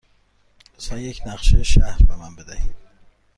لطفاً یک نقشه شهر به من بدهید.